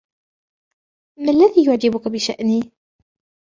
ما الذي يعجبك بشأني ؟